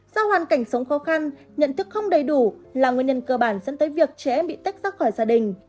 do hoàn cảnh sống khó khăn nhận thức không đầy đủ là nguyên nhân cơ bản dẫn tới việc trẻ em bị tách ra khỏi gia đình